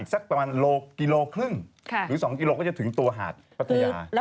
สักประมาณ๒กิโลกรัมก็จะถึงตัวหาดพัทยา